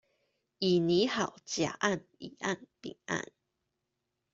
已擬好甲案乙案丙案